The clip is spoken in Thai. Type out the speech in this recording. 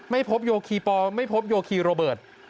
ไม่พบโยคีปอลไม่พบโยคีโรเบิร์ต